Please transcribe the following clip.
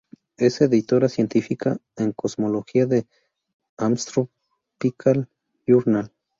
Es editora científica en cosmología de "The Astrophysical Journal".